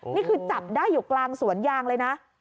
นี่คือจับได้อยู่กลางสวนยางเลยนะ